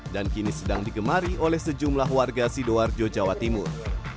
dan kini sedang digemari oleh sejumlah warga sidoarjo jawa timur